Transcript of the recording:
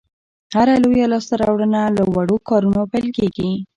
هره لویه لاسته راوړنه له وړو کارونو پیل کېږي.